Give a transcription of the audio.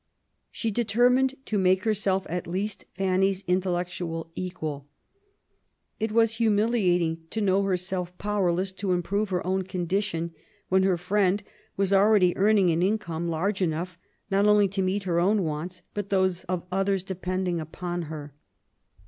She determined to make herself at least Fanny's intellectual equal. It was humiliating to know herself powerless to improve her own condition, when her friend was already earning an income large enough not only to meet her own wants but those of others depending upon her.